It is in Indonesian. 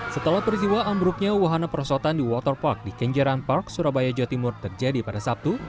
setelah peristiwa ambruknya wahana perosotan di waterpark di kenjeran park surabaya jawa timur terjadi pada sabtu